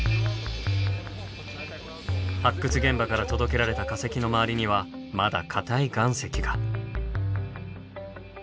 発掘現場から届けられた化石の周りにはまだかたい岩石が。